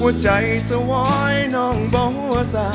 ขอบคุณมากขอบคุณมาก